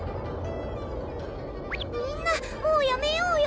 みんなもうやめようよ！